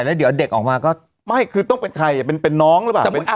แล้วเดี๋ยวเด็กออกมาก็ไม่คือต้องเป็นใครเป็นน้องหรือเปล่า